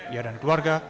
ia dan keluarga